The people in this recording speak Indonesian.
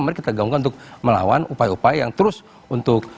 mari kita gaungkan untuk melawan upaya upaya yang terus untuk